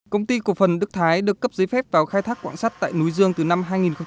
công ty cục phần đức thái được cấp giấy phép vào khai thác quảng sát tại núi dương từ năm hai nghìn bốn